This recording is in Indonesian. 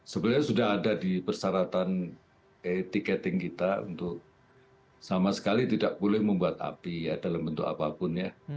sebenarnya sudah ada di persyaratan tiketing kita untuk sama sekali tidak boleh membuat api ya dalam bentuk apapun ya